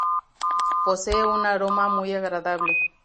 Posee un aroma muy agradable.